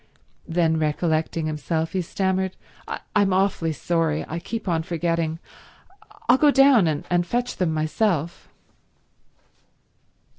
Then, recollecting himself, he stammered, "I'm awfully sorry—I keep on forgetting—I'll go down and fetch them myself."